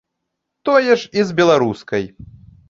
Тое ж і з беларускай.